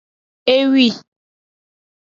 Ewi.